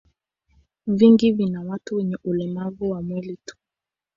Vingi vina watu wenye ulemavu wa mwili tu.